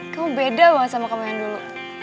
kamu beda banget sama kamu yang dulu